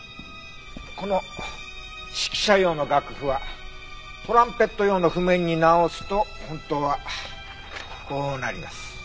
この指揮者用の楽譜はトランペット用の譜面に直すと本当はこうなります。